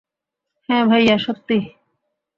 হ্যাঁ ভাইয়া, সত্যি।